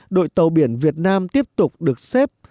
đội tàu biển việt nam tiếp tục được xếp